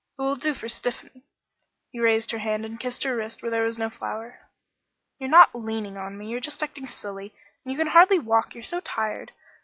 It will do for stiffening." He raised her hand and kissed her wrist where there was no flour. "You're not leaning on me. You're just acting silly, and you can hardly walk, you're so tired!